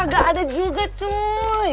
gak ada juga cuy